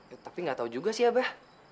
eh tapi nggak tahu juga sih abah